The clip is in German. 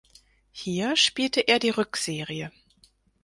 Hier spielte er die Rückserie.